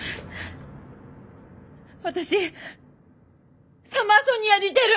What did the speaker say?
私サマーソニアに出る！